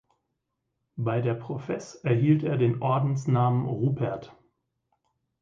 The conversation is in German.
Bei der Profess erhielt er den Ordensnamen Rupert.